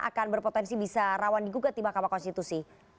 akan berpotensi bisa rawan di gugat di mahkamah konstitusi